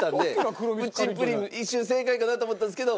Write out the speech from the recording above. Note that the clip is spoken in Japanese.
プッチンプリン一瞬正解かなと思ったんですけど。